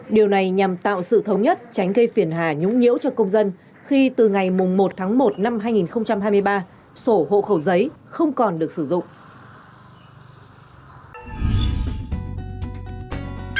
điều này nhằm tạo sự thống nhất tránh gây phiền hà nhũng nhiễu cho công dân khi từ ngày một tháng một năm hai nghìn hai mươi ba sổ hộ khẩu giấy không còn được sử dụng